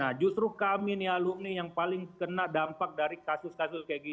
nah justru kami nih alumni yang paling kena dampak dari kasus kasus kayak gini